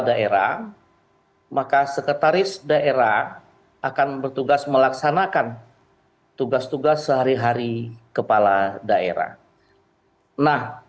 daerah maka sekretaris daerah akan bertugas melaksanakan tugas tugas sehari hari kepala daerah nah